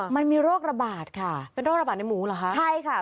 มันมีโรคระบาดค่ะเป็นโรคระบาดในหมูเหรอคะใช่ค่ะ